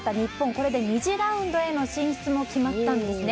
これで２次ラウンドへの進出も決まったんですね。